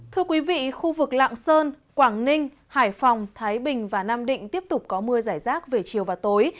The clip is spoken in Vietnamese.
thưa quý vị khu vực lạng sơn quảng ninh hải phòng thái bình và nam định tiếp tục có mưa giải rác về chiều và tối